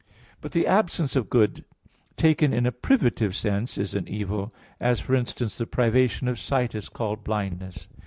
But the absence of good, taken in a privative sense, is an evil; as, for instance, the privation of sight is called blindness.